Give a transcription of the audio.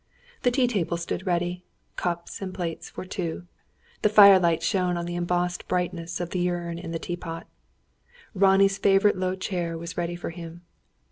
The tea table stood ready cups and plates for two. The firelight shone on the embossed brightness of the urn and teapot. Ronnie's favourite low chair was ready for him.